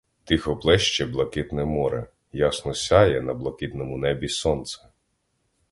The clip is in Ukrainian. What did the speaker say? Тихо плеще блакитне море, ясно сяє на блакитному небі сонце.